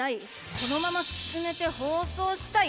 このまま進めて放送したい？